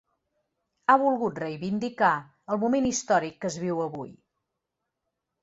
Ha volgut reivindicar el moment històric que es viu avui.